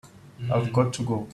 I've got to go.